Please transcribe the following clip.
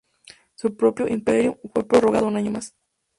Su propio "imperium" fue prorrogado un año más.